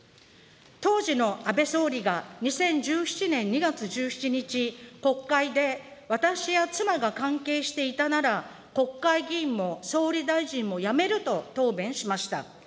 当時の安倍総理が２０１７年２月１７日、国会で私や妻が関係していたなら、国会議員も総理大臣も辞めると答弁しました。